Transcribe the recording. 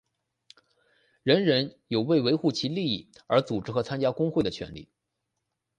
人人有为维护其利益而组织和参加工会的权利。